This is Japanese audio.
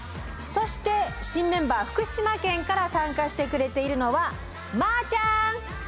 そして新メンバー福島県から参加してくれているのはまーちゃん！